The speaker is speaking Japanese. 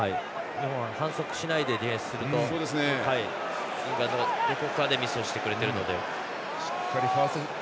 日本は反則しないでディフェンスするとイングランドがどこかでミスをしてくれてるので。